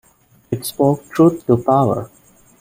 It spoke truth to power.